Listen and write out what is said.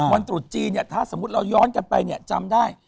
ตรุษจีนเนี่ยถ้าสมมุติเราย้อนกันไปเนี่ยจำได้